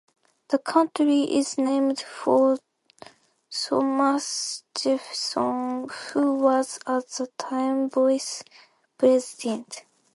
The county is named for Thomas Jefferson, who was at the time Vice President.